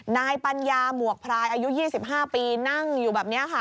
นายปัญญาหมวกพรายอายุ๒๕ปีนั่งอยู่แบบนี้ค่ะ